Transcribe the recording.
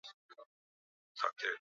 Mrembo mithili ya malaika.